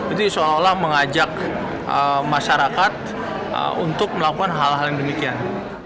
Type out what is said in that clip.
itu seolah olah mengajak masyarakat untuk melakukan hal hal yang demikian